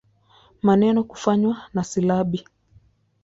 Maneno kufanywa na silabi.